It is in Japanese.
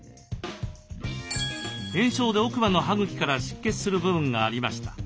炎症で奥歯の歯茎から出血する部分がありました。